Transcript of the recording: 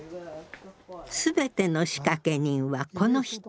全ての仕掛け人はこの人。